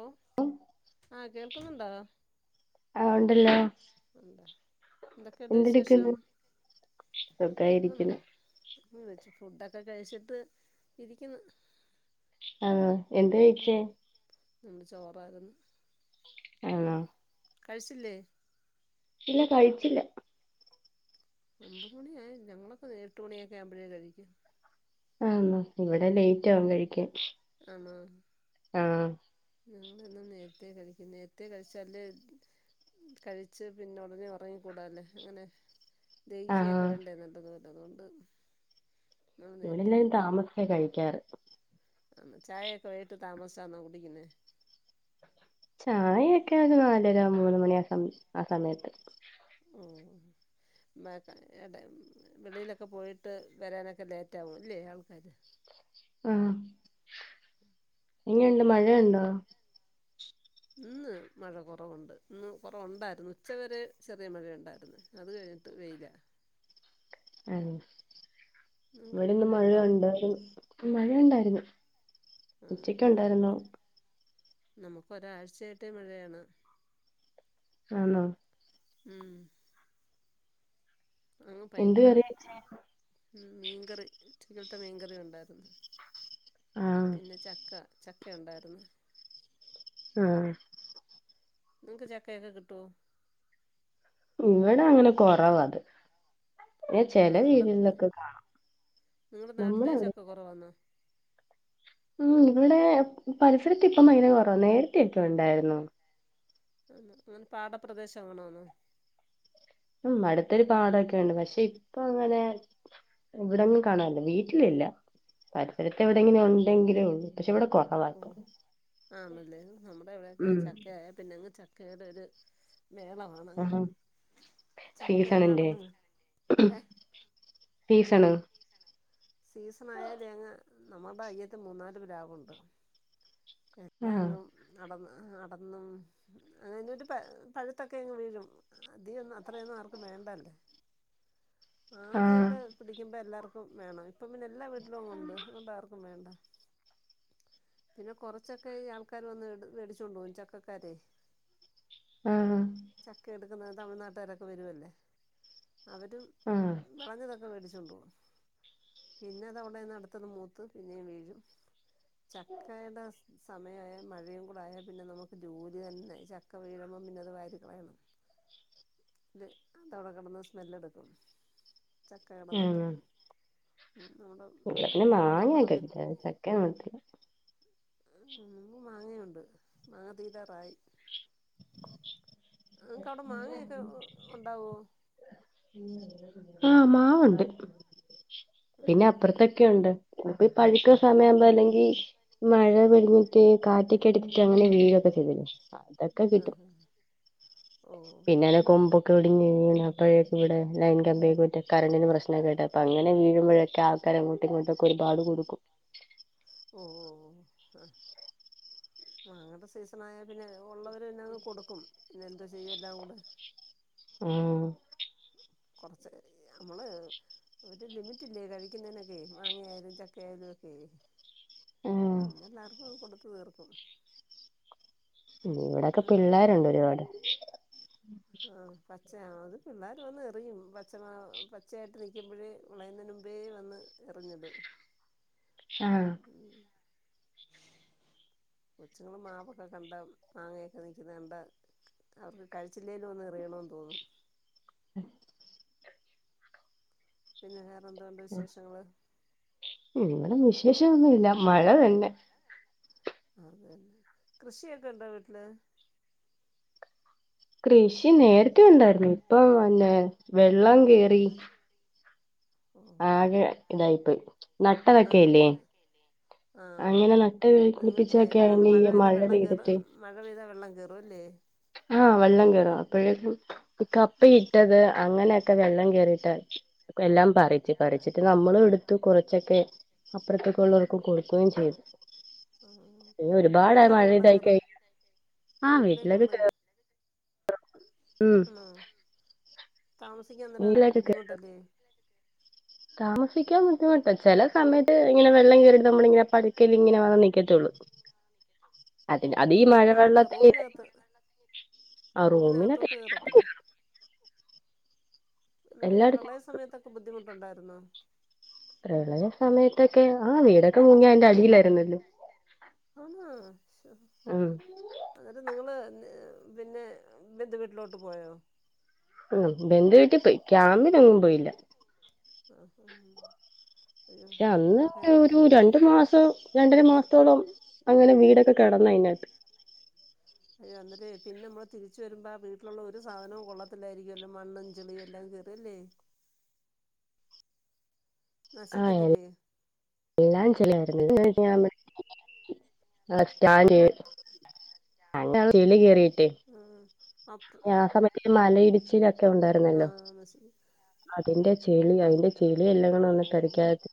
ഓഹ് ആഹ് കേൾക്കുന്നുണ്ടോ ആഹ് ഉണ്ടല്ലോ ഉണ്ടോ എന്തൊക്കെണ്ട് വിശേഷം എന്തെടുക്കുന്നു സുഖായിരിക്കുന്നു വെച്ച് ഫുഡൊക്കെ കഴിച്ചിട്ട് ഇരിക്ക്ന്ന് ആഹ് എന്തേ കൈച്ചേ ഞൻക്ക് ചോറായിരുന്നു ആണോ കഴിച്ചില്ലേ ഇല്ല കഴിച്ചില്ല ഒമ്പത് മണിയായി ഞങ്ങളൊക്കെ ഏഴെട്ട് മണിയൊക്കെ ആവുമ്പോഴേ കഴിക്കും ആന്നോ ഇവിടെ ലേറ്റാവും കഴിക്കാൻ ആണോ ആ ഞങ്ങളെന്നും നേരത്തെ കഴിക്കും നേരത്തെ കഴിച്ചാലെ കഴിച്ച് പിന്നെ ഉടനെ ഉറങ്ങിക്കൂടാല്ലേ അങ്ങനെ ആഹ് ദഹിക്കുകയൊക്കെ വേണ്ടേ നല്ലതോലെ അതുകൊണ്ട് ഞങ്ങൾ ഇവിടെ നേരത്തെ എല്ലരും താമസിച്ച കഴിക്കാറ് ആ ചായയൊക്കെ വയിട്ട് താമസാന്നോ കുടിക്കുന്നേ ചായൊക്കെ അത് നാലര മൂന്ന് മണിയൊക്കെആ ആ സമയത്ത് ഓ ഇട വെളിയിലൊക്കെ പോയിട്ട് വരാനൊക്കെ ലേറ്റാകോ ല്ലേ ആൾക്കാർ ആ എങ്ങ്ണ്ട് മഴയുണ്ടോ ഇന്ന് മഴ കുറവുണ്ട് ഇന്ന് കുറവുണ്ടായിരുന്നു ഉച്ച വരെ ചെറിയ മഴയ ഉണ്ടായിരുന്നു അത് കഴിഞ്ഞിട്ട് വെയില മ് നിങ്ങക്ക് ഇവിടെന്ന് മഴ മഴയുണ്ടോ ഉണ്ടായിരുന്നു മഴ ഉണ്ടായിരുന്നു ഉച്ചക്കുണ്ടായിരുന്നു നമുക്കൊരാഴ്ചയായിട്ട് മഴയാണ് ആണോ മ് ആ എന്ത് ഭയങ്കര കറി വെച്ചേ മീൻകറി ഉച്ചക്കത്തെ മീൻകറി ഉണ്ടായിരുന്നു ആഹ് പിന്നെ ചക്ക ചക്ക ഉണ്ടായിരുന്നു ആ നിങ്ങക്ക് ചക്കയൊക്കെ കിട്ടോ ഇവിടെ അങ്ങനെ കൊറവ്വാത് ചെല ആ നിങ്ങളുടെ വീടുകളിലൊക്കെ കാണാം നിങ്ങളുടെ നാട്ടിലെ നമ്മളവിടെ [unintelligible] ഉം ഇവിടെ പരിസരത്തിപ്പോ മൈന കുറവ നേരത്തെയൊക്കെ ഉണ്ടായിരുന്നു പാടപ്രദേശം ആണോന്നോ ഉം അടുത്തൊരു പാടൊക്കെയുണ്ട് പക്ഷെ ഇപ്പൊ അങ്ങനെ ഇവിടങ്ങ് കാണാനില്ല വീട്ടിലില്ല പരിസരത്തെ എവിടെങ്ങലും ഉണ്ടെങ്കിലെയുള്ളൂ പക്ഷെ ഇവിടെ കുറവാ ഓ ഇപ്പം ആണല്ലേ നമ്മുടെ എവിടെയൊക്കെങ്ങ് ഉം ചക്കയായ പിന്നങ്ങ് ചക്ക ചക്കയുടെ ഒരു മേളമാണങ്ങ് ആഹാ ചക്കയങ്ങടന്ന് വീ ഏ സീസൺ സീസണായ തേങ്ങ നമ്മുടെ ബയ്യത്തി മൂന്നാല് പ്ലാവുണ്ട് എല്ലാം ആഹ് അങ്ങും അടന്ന് അടന്നും അങ്ങനൊരു പഴുപഴുത്തൊക്കെ ഇങ്ങ് വീഴും അതിയൊന്നും അത്രയൊന്നും ആർക്കും വേണ്ടല്ലേ ആഹ് ആദ്യൊക്കെ പിടിക്കുമ്പോ എല്ലാവർക്കും വേണം ഇപ്പൊ പിന്നെ എല്ലാ വീട്ടിലും അങ്ങുണ്ട് അതുകൊണ്ടാർക്കും വേണ്ട പിന്നെ കുറച്ചൊക്കെ ഈ ആൾക്കാർ വന്ന് മേടിച്ചോണ്ട് പോവും ചക്കക്കാരെ ആഹ് ചക്ക എടുക്കുന്നത് തമിഴ്നാട്ടുകാരൊക്കെ വരുവല്ലേ അവരും ആഹ് വിളഞ്ഞതൊക്കെ മേടിച്ചോണ്ടുവ്വാ പിന്നെ അത് അവിടെന്ന് അടുത്തത് മൂത്ത് പിന്നെ വീഴും ചക്കയുടെ സമയമായ മഴയും കൂടെയായാൽ പിന്നെ നമുക്ക് ജോലി തന്നെ ചക്ക വീഴുമ്പം പിന്നത് വാരി കളയണം ത് തവടെ കെടന്ന് സ്മെല്ലെട്ക്കും ചക്ക കെടന്ന്ട്ട് ആഹ് ഉം നമ്മടെ ഇവിടെ പിന്നെ വീടുള്ള മാങ്ങയൊക്കെ പറമ്പി [unintelligible] [unintelligible] മാങ്ങയുണ്ട് മാങ്ങ തീരാറായി ഇങ്ങക്കവടെ മാങ്ങയൊക്കെ ഉണ്ടാവോ ആ മാവുണ്ട് പിന്നെ ആഹ് അപ്പർത്തൊക്കെയുണ്ട് ഇപ്പീ പഴുക്ക സമയാവുമ്പോ അല്ലെങ്കി മഴ [unintelligible] മറ്റേ കാറ്റക്കടിച്ചിട്ട് അങ്ങനെ വീഴൊക്കെ ചെയ്യും അതൊക്കെ കിട്ടും ആഹ് ഓ പിന്നനു കൊമ്പൊക്കെ ഒടിഞ് വീണ് അപ്പോഴെക്കിവടെ ലൈൻ കമ്പിക്കിട്ട് കറണ്ടിന് പ്രശ്നൊക്കെയായിട്ട് അപ്പോ അങ്ങനെ വീഴുമ്പോഴൊക്കെ ആ ക്കര അങ്ങോട്ടും ഇങ്ങോട്ടൊക്കെ ഒരുപാട് കൊടുക്കും ഓ ഓ ഓ ആ അങ്ങൻത്തെ സെയ്സ് മയായ പിന്നെ ഉള്ളവര് പിന്നങ്ങ് കൊടുക്കും പിന്നെന്താ ചെയ്യ എല്ലാം കൂടെ ഉം കൊർച്ചൊക്കെ ഞമ്മള് ഒരു ലിമിറ്റില്ലേ കഴിക്കുന്നതിനൊക്കെ മാങ്ങയായാലും ചക്കയായാലും ഒക്കെ ഉം പിന്നെല്ലാർക്കും കൊടുത്തു തീർത്തു ഇവിടൊക്കെ പിള്ളേരുണ്ട് ഒരുപാട് ആഹ് പച്ച അത് പിള്ളേർ വന്ന് എറിയും പച്ച പച്ചയായിട്ട് നിൽക്കുമ്പഴെ വിളയുന്നേന് മുമ്പേ വന്ന് എറിഞ്ഞിടും ആഹ് ഉം കൊച്ചുങ്ങൾ മാവൊക്കെ കണ്ടാ മാങ്ങയൊക്കെ നിക്കുന്നത് കണ്ടാ അവർക്ക് കഴിച്ചില്ലേലും ഒന്ന് എറിയണോന്ന് തോന്നും [unintelligible] പിന്നെ വേറെന്തോണ്ട് വിശേഷങ്ങള് ഇവടെ വിശേഷൊന്നുല്ല മഴ തന്നെ അതെന്നെ കൃഷിയൊക്കെണ്ടോ വീട്ടില് കൃഷി നേരത്തെ ഉണ്ടായിരുന്നു ഇപ്പൊ അല്ലെ വെള്ളം കേറി ഓ ഓ ആകെ ഇതായി പോയിനട്ടതൊക്കെ യില്ലേ ആ നിങ്ങക്കെ പിടിപ്പിച്ചൊക്കെ അങ്ങട്ട് ആണെങ്കി മഴ ഈ പെയ്താ വെള്ളം കേറ പെയ്തിട്ട് മഴ പെയ്താ വെള്ളം കേറു അല്ലേ ആഹ വെള്ളം കേറും അപ്പഴേക്കും കപ്പിയിട്ടത് അങ്ങനെയൊക്കെ വെള്ളം കേറിട്ട എല്ലാം പറിച്ച് പറിച്ചിട്ട് നമ്മളും ഇടുത്തു കൊറച്ചൊക്കെ അപ്പർത്തൊ ക്കെള്ളോൽക്ക് കൊടുക്കും ചെയ്തു ആഹ് പിന്നെ ഒരുപാട് വീട്ടിലൊക്കെ മഴ വെള്ളം ഇതായി കേറോ കഴി ആ വീട്ടിലേക്ക് വീട്ടിലൊക്കെ വെള്ളം കേറു ഉം ആണോ താമസിക്കാൻ അന്നേരം വീട്ടിലൊക്കെ കേറും ബുദ്ധിമുട്ടല്ലേ താമസിക്കാൻ ബുദ്ധിമുട്ട ചെല സമയത്ത് ഇങ്ങനെ വെള്ളം കേറിട്ട് നമ്മള്ങ്ങനെ പടിക്കല് ഇങ്ങനെ വന്ന് നിക്ക ക്കത്തെള്ളു ഓഹോ വീട്ടിനകത്ത് റൂമിനകത്ത് ആ റൂമിനൊക്കെ റൂമിനകത്തോട്ട് കേറത്തില്ലെ ന്ന്ട്ട് ഈ എല്ലായിടത്തും പ്രളയ സമയത്തൊക്കെ ബുദ്ധിമുട്ടുണ്ടായിരുന്നോ പ്രളയ സമയത്തൊക്കെ ആ വീടൊക്കെ മുങ്ങി അയ്ന്റെ അടിലാ ആന്നോ ശൊ ആ അന്നേരം നിങ്ങള് പിന്നെ ബന്ധു വീട്ടിലോട്ട് പോയോ? ഉം ബന്ധു വീട്ടി പോയി. ക്യാമ്പിനെങ്ങും പോയില്ല. ആഹ് ആഹ് അയ്യോ പക്ഷെ അന്ന് നമുക്കൊക്കെ ആന്നല്ലേ ഒരു ര ണ്ടു മാസം രണ്ടര മാസത്തോളം അങ്ങനെ വീടൊക്കെ കെടന്നു അയ്നകത്ത് അയ്യോ എന്നിട്ടേ പിന്നെ മ്മള് തിരിച്ചു വരുമ്പോ വീട്ടിലുള്ള ഒരു സാധനവും കൊള്ളത്തിലായിരിക്കൊല്ലോ. മണ്ണും ചളിയും എല്ലാം കേ അല്ലേ ആഹ് നശിക്കത്തില്ലേ എല്ലാം ചെളിയാര്ന്നു. [unintelligible] ആഹ് സ്റ്റാന്റ് സ്ലാറ്റ് ഉം ആ സമയത്ത് മലയിടിച്ചിലൊക്കെ ഉണ്ടായിരുന്നല്ലോ. ആഹ് നശി അതിന്റെ ചെളി അതിന്റെ ചെളിയെല്ലാം കൂടി ഓ വന്നിട്ട് അടിക്കായി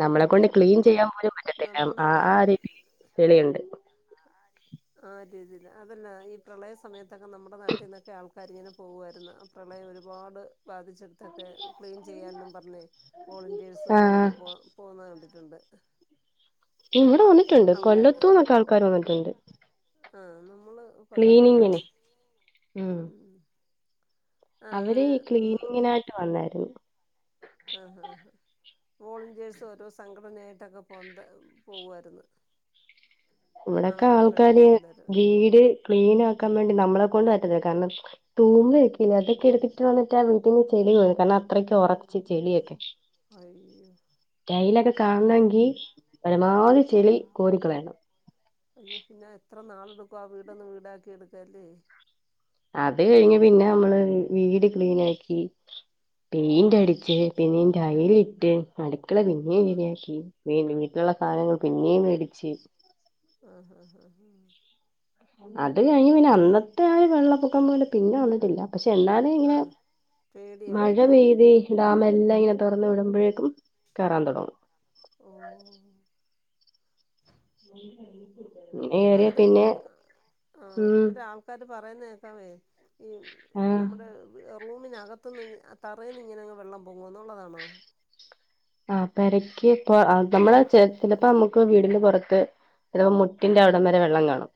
അയ്യോ നമ്മളെ കൊണ്ട് എന്തൊരു ക്ലീൻ ബുദ്ധിമുട്ടാ ചെയ്യാൻ പോലും പറ്റത്തില്ല നമ്മടെ ആ ആ രീതി ചെളിയുണ്ട് ആ രീതില്ല അതല്ല ഈ പ്രളയ സമയത്തൊക്കെ നമ്മുടെ നാട്ടിന്നൊക്കെ ആൾക്കാരിങ്ങനെ പോവായ്ര്ന്നു ആ പ്രളയം ഒരുപാട് ബാധി ച്ചോട്ത്തൊക്കെ ക്ലിൻ ചെയ്യാൻന്ന് പർഞ്ഞ് വോളന്റിയേയ്സും ആഹ് അങ്ങനെക്കെ പോവുന്ന കണ്ടിട്ടുണ്ട്. ഇവിടെ വന്നിട്ടുണ്ട്. ആൾക്കാര് കൊല്ലത്തൂന്നൊക്കെ ആൾക്കാര് വന്നിട്ടുണ്ട്. ആഹ് നമ്മള് കൊല്ലംകാരാണ് ക്ലീനിംഗ്നേ ഉം ആഹ് അവര് അങ്ങനെ ഈ ക്ലീനിങ്ങിനായിട്ട് വന്നായിരുന്നു. ആഹ് ആഹ് ആഹ് വോളന്റിയേഴ്സ് ഓരോ സംഘടനയായിട്ടൊക്കെ പൊന്ത പോവു ആയിരുന്നു. ഇവിടെ ഒക്കെ ആൾക്കാര് പെണ്ണുങ്ങളും എല്ലാരും വീട് ക്ലീൻ ആക്കാൻ വേണ്ടി നമ്മളെ കൊണ്ട് പറ്റത്തില്ല. കാരണം തൂമ്പൊഴക്കില്ല അതൊക്കെ എട്ത്തിട്ട് വന്നിട്ട് അവ [unintelligible] കാരണം അത്രക് ഒറച്ച ചെളിയായി അയ്യോ ടൈലൊക്കെ കാണണങ്കി പരമാവധി ചെളി കോരി കളയണം. അയ്യോ പിന്നെ എത്ര നാളെടുക്കോ ആ വീടന്ന് വീടാക്കി എടുക്കാല്ലേ അത് കഴിഞ്ഞ് പിന്നെ അമ്മള് വീട് ക്ലീൻ ആക്കി പെയിന്റ് അടിച്ച് പിന്നിം ടൈല് ഇട്ട് അടുക്കള പിന്നെയും ആണ് പിന്നെ ഷീറ്റ്‌ മേഞ്ഞ്‌ വീട്ടിലുള്ള സാധനങ്ങൾ പിന്നെയും മേടിച്ച് ആഹ് ആഹ് ആഹ് അത് കഴിഞ് പിന്നെ അന്നത്തെ ആഹ് വെള്ളപ്പൊക്കം പോലെ പിന്നെ വന്നിട്ടില്ല പക്ഷെ എന്നാലും ഇങ്ങനെ ആഹ് മഴ പേടിയാണല്ലേ പെയ്തി ഡാമെല്ലാം ഇങ്ങനെ തൊർന്ന് വിടുമ്പോഴേക്കും കേറാൻ തൊടങ്ങും. ഓഹ് ഉ പറ അന്നിട്ടേ ഉം ആന്നിട്ട് ആ ഉ പ്പയൊക്കെ പറയുന്ന കേക്കാമേ ഈ ആഹ് നമ്മുടെ റൂമിനകത്ത് നിന്ന് തറേന്നിങ്ങനെങ്ങ് വെള്ളം പൊങ്ങോന്നുള്ളതാണോ ആഹ് പെരക്ക്പ്പ നമ്മള ചെലപ്പോ നമ്മുക്ക് വീടിന് പൊറത്ത് ചിലപ്പോ മുട്ടിന്റെ അവിടം വരെ വെള്ളം കാണും.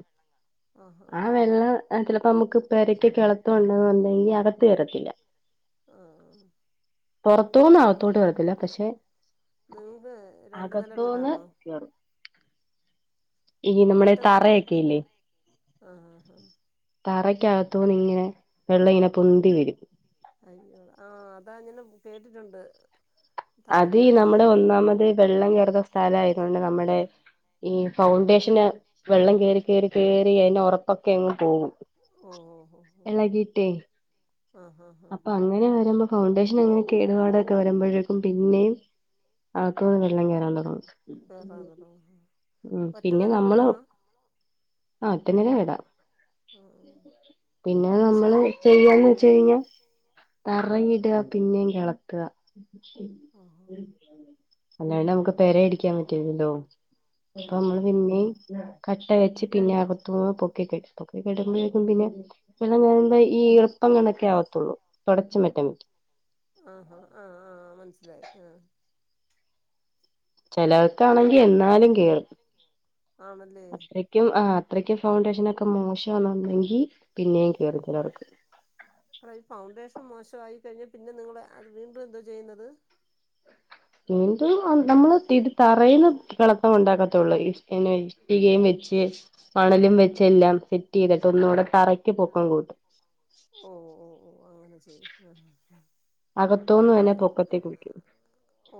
ആഹ് ആ ആഹ് ആഹ് വെള്ളം ആഹ് ചെലപ്പോ നമുക്ക് പെരക്ക്ക്കളത്തും വന്നതു കൊണ്ട് ഇനി അകത്ത്കേറത്തില്ല. ആഹ് ആഹ് പൊർത്തൂന്ന് അകത്തോട്ട് വരത്തില്ല പക്ഷെ നിങ്ങക്ക് രണ്ടു നില അകത്തൂന്ന് വീടാണോ കേറും ഈ നമ്മുടെ ഒറ്റനില തറയൊക്കെ ഇല്ലേ ആ ആ ആ തറക്കകത്തുന്ന് ഇങ്ങനെ വെള്ളം ഇങ്ങനെ പൊന്തി വരും. അയ്യോള ആ അതാ ഞനെ കേട്ടിട്ടുണ്ട്. അതി തറയ്ക്കകത്തുന്ന് നമ്മുടെ ഇങ്ങനെ ഒന്നാമത്. വെള്ളം കയറുന സ്ഥലതോണ്ട്. നമ്മുടെ ഈ നമ്മുടെ ഫൗണ്ടേഷന് വെള്ളം കൊറി കറി കറി അതി ഉറപ്പൊക്കെ അങ്ങ് പോകും. ഓഹ് ഓഹ് ഇളകിട്ടേ ഓഹ് ആഹ് ആഹ് അപ്പൊ ആഹ് അങ്ങനെ വരുമ്പം. ഫൗണ്ടേഷൻ അങ്ങനെൊ കേടുപാടൊക്കെ വരുമ്പോഴേക്കും പിന്നെയും ആക്കന്ന് വെള്ളം കയറാൻ തുടങ്ങും. പേറന്നരം ഉം ഒറ്റ പിന്നെ നല്ല നമ്മള് വീടാണോ? ആ ഒറ്റനല വീട. ആ പിന്നെ പക്ഷെ ആ നമ്മള് ചെയ്യാന്ന് വെച്ച് കഴിഞ്ഞാ. തറ ഇട ആ പിന്നിം ഇളക്ക. ആഹ് അല്ലാണ്ട് നമുക്ക് പെരയടിക്കാൻ പറ്റുന്നല്ലോ അപ്പൊ അയ്യോ നമ്മള് പിന്നിം. കട്ട വെച്ച് പിന്നെ അകത്ത്മുഴുവൻ പൊക്കി കെടും. കെടുമ്പ്പഴേക്കും പിന്നെ പിന്നെ ഇതിനു മുമ്പേ ഈറുപ്പം കണക്കെ ആവത്തുള്ളൂ തുടച്ച മാറ്റാ പറ്റും. ആഹാ ആഹ് ആഹ് മനസ്സിലായി ആഹ ആ ചിലവക്കാണെങ്കി എന്നാലും കേറും ആണല്ലേ അത്ര കും അത്രക്കും ഫൗണ്ടേഷന് ഒക്കെ മോശംആണ് ന്നുണ്ടെങ്കിൽ പിന്നെയും കേയറും ചിലർക്ക്. ഫൗണ്ടേഷൻ മോശമായി കഴിഞ്ഞൽ പിന്നെ നിങ്ങള് അത് വീണ്ടും എന്തോ ചെയ്യുന്നത്. വീണ്ടും നമ്മള് ഇത് തറയില് ഇളളകം ഉണ്ടാക്കത്തോള്ളൂ. പിന്നെ ഇഷ്ടികയും വെച് മണലും വെച്ച് എല്ലാം സെറ്റ് ചെയ്തിട്ട് ഒന്നുകൂടെ തറക്ക് പൊക്കം കൂട്ടും. ഓ ഓ ഓ അങ്ങനെ ചെയ്യും. ആ അകത്തുന്ന് തനൊ അന്നേരം പൊക്കത്ത കുളിക്കും. ഓ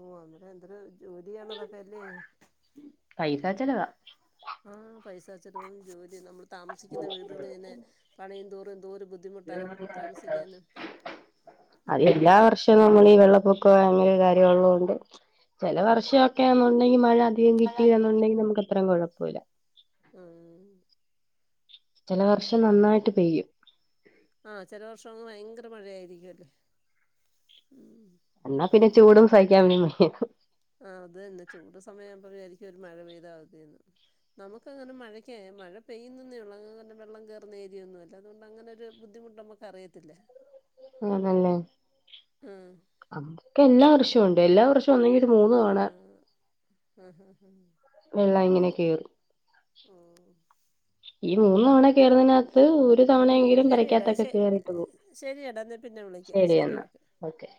ഓ അന്നേരം എന്തൊരു ജോലിയണതൊക്കെ അല്ലേ? പൈസ ചലവാ. ആഹ പൈസ ചിലവും ജോലിയും നമ്മൾ താമസിക്കുന്ന വീടുകളിൽ ഇങ്ങന്നെ പണിയും. തോറുംന്തോരും ബുദ്ധി അത് ഉം എല്ലാ വർഷം. പക്ഷെ നമ്മൾ. ഈ വെള്ളപ്പൊക്ക അങ്ങനെ കാര്യള്ളതണ്ട്. ചില വർഷമൊക്കെുണ്ടെങ്കിൽ മഴ അ കിട്ടയി എന്നുണ്ടെങ്കിൽ നമുക്ക്ത്ര കുഴപ്പമില്ല. ആ ചില വർഷം [unintelligible] നന്നായിട്ട് പെയ്യും ആ് ചില വർഷം ഭയങ്കര മഴയായിരിക്കുംല്ലേ. എന്നാ പിന്നെ ചൂടും സഹിക്കാൻ. വയ്യ ആ അത് തന്നെ ചൂട് സമയ ആകുമ്പോഴ വിചാരിക്കും ഒരു മഴ പ്രീത മതിയായിരുന്നു. നമുക്ക് അങ്ങനെ മഴക്ക മഴ പെയ്യുന്നന്നേ ഉള്ളു വെള്ളം കയറുന ഏരിയൊന്നുമല്ല അതൊണ്ട് അങ്ങനൊ ഒരു ബുദ്ധിമുട്ട് നമു ക്ക് അറിയത്തില്ല. അതല്ലേ ആ നമുക്ക് എല്ലാ വർഷവും ഉണ്ട് എല്ലാ വർഷവും ഒന്നെങ്കിൽ ഒരു മൂന്ന് തവണ. ആഹ ഹഹ ഹഹ. വെള്ളം ഇങ്ങനെയെ കയറും. ഓ. ഈ മൂന്ന് തവണ കയറുന്നതിനകത്ത് ഒരു. തവണയെങ്കിലും ശരിയെടാ ശ പെരക്കാത്തൊക്കെ കേറിട്ട് പോ. ശരിയെടാ എന്നാൽ പിന്നെ വിളിക്കാം ശരി ശരിയന്ന ഓക്കെ.